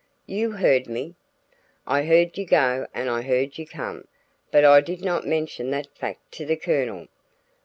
"You heard me?" "I heard you go and I heard you come; but I did not mention that fact to the Colonel."